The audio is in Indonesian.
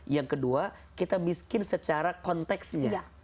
yang kedua kita miskin secara konteksnya